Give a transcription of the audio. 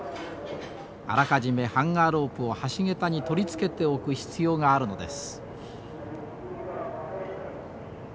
あらかじめハンガー・ロープを橋桁に取り付けておく必要があるのです。